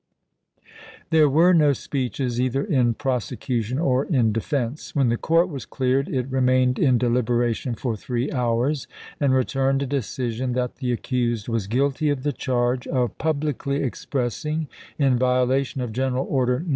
There were no speeches either in prosecution or in defense. When the court was cleared it re mained in deliberation for three hours, and returned a decision that the accused was guilty of the charge of "publicly expressing, in violation of G eneral Order No.